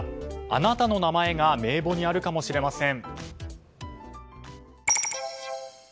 あなたの名前が名簿にあるかもしれません。